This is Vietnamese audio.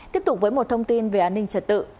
tiếp tục với một thông tin về an ninh trật tự